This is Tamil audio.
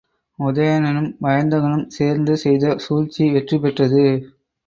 உதயணனும் வயந்தகனும் சேர்ந்து செய்த சூழ்ச்சி வெற்றி பெற்றது.